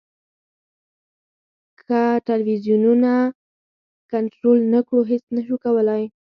که ټلویزیونونه کنټرول نه کړو هېڅ نه شو کولای.